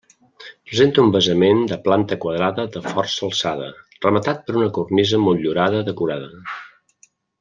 Presenta un basament de planta quadrada de força alçada, rematat per una cornisa motllurada decorada.